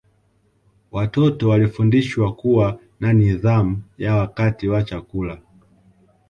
Watoto walifundishwa kuwa na nidhamu ya wakati wa chakula